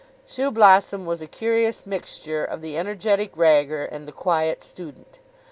Shoeblossom was a curious mixture of the Energetic Ragger and the Quiet Student.